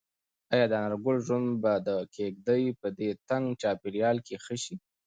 ایا د انارګل ژوند به د کيږدۍ په دې تنګ چاپیریال کې ښه شي؟